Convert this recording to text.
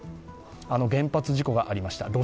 あの原発事故がありました。